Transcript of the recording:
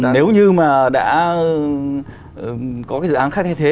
nếu như mà đã có cái dự án khác thay thế